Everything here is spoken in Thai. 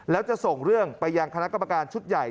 แล้วจะส่งเรื่องไปยังคณะกรรมการชุดใหญ่